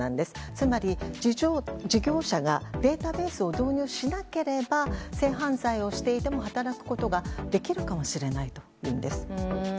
つまり、事業者がデータベースを導入しなければ性犯罪をしていても働くことができるかもしれないんです。